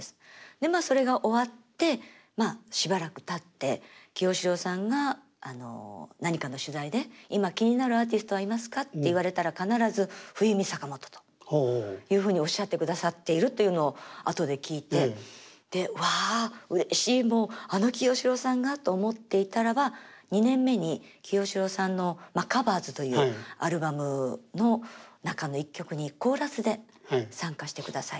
でまあそれが終わってしばらくたって清志郎さんが何かの取材で「今気になるアーティストはいますか？」って言われたら必ず「フユミサカモト」というふうにおっしゃってくださっているというのを後で聞いてで「わうれしいもうあの清志郎さんが」と思っていたらば２年目に清志郎さんの「カバーズ」というアルバムの中の一曲に「コーラスで参加してください」。